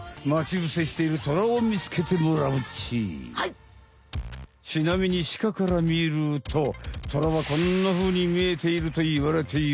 ちなみにシカから見るとトラはこんなふうに見えているといわれている。